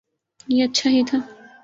یہ اچھا ہی تھا۔